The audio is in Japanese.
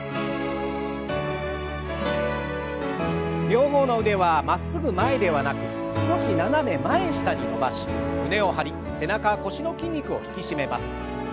両方の腕はまっすぐ前ではなく少し斜め前下に伸ばし胸を張り背中腰の筋肉を引き締めます。